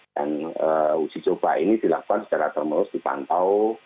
dan uji coba ini dilakukan secara termurus dipantau